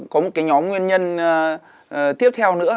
có một cái nhóm nguyên nhân tiếp theo nữa